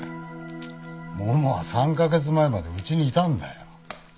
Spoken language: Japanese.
ももは３カ月前までうちにいたんだよ。